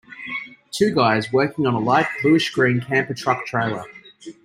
Two guys working on a light bluish green camper truck trailer.